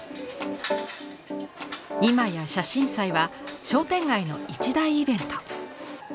今や写真祭は商店街の一大イベント。